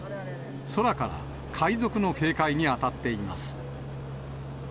空から海賊の警戒に当たっています。